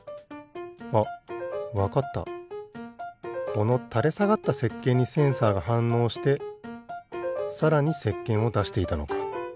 このたれさがったせっけんにセンサーがはんのうしてさらにせっけんをだしていたのか。